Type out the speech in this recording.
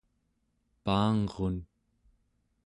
paangrun